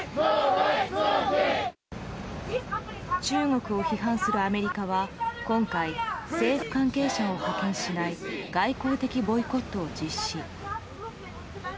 中国を批判するアメリカは今回、政府関係者を派遣しない外交的ボイコットを実施。